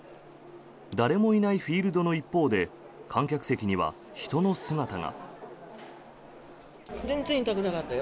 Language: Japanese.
誰もいないフィールドの一方で観客席には人の姿が。